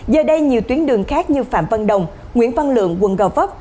giờ đây nhiều tuyến đường khác như phạm văn đồng nguyễn văn lượng quận gò vấp